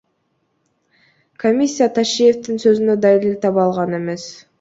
Комиссия Ташиевдин сөзүнө далил таба алган эмес.